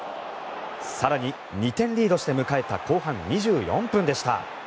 更に、２点リードして迎えた後半２４分でした。